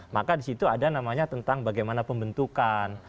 maka disitu ada namanya tentang bagaimana pembentukan